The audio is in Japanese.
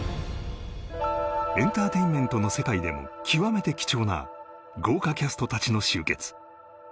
エンターテインメントの世界でも極めて貴重な豪華キャスト達の集結